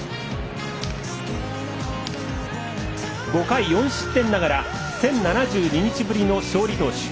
５回４失点ながら１０７２日ぶりの勝利投手。